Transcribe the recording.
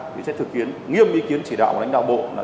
thì sẽ thực hiện nghiêm ý kiến chỉ đạo của lãnh đạo bộ